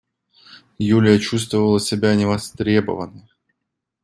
Юлия чувствовала себя невостребованной.